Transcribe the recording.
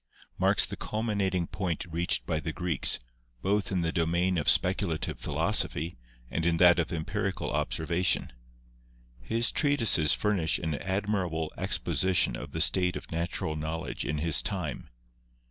marks the culmi nating point reached by the Greeks, both in the domain of speculative philosophy and in that of empirical observa tion. His treatises furnish an admirable exposition of the state of natural knowledge in his time.